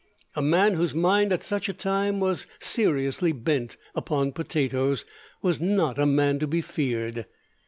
A man whose mind at such a time was seriously bent upon potatoes was not a man to be feared.